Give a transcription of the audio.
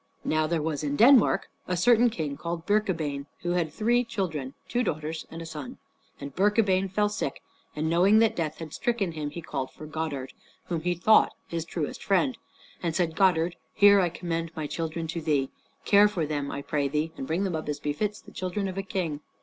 Now there was in Denmark a certain King called Birkabeyn, who had three children, two daughters and a son. And Birkabeyn fell sick, and knowing that death had stricken him, he called for Godard, whom he thought his truest friend, and said, "Godard, here I commend my children to thee. Care for them, I pray thee, and bring them up as befits the children of a king.